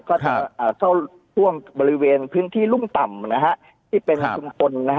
ก็จะเข้าช่วงบริเวณพื้นที่รุ่งต่ำนะฮะที่เป็นชุมกลนะฮะ